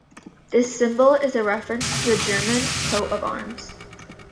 This symbol is a reference to the German coat of arms.